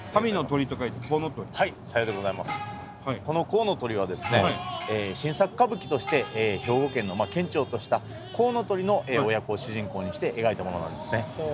この「神の鳥」はですね新作歌舞伎として兵庫県の県鳥としたコウノトリの親子を主人公にして描いたものなんですね。